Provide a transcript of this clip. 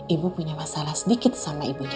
ibu punya masalah sedikit sama ibunya